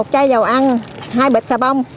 một chai dầu ăn hai bịch sà bông